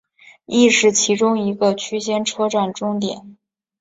亦是其中一个区间车终点站。